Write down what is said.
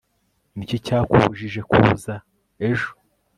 ni iki cyakubujije kuza ejo